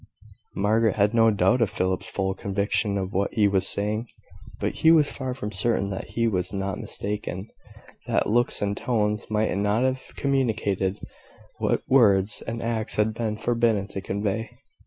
Margaret had no doubt of Philip's full conviction of what he was saying; but she was far from certain that he was not mistaken that looks and tones might not have communicated what words and acts had been forbidden to convey.